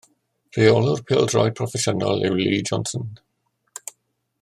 Rheolwr pêl-droed proffesiynol yw Lee Johnson.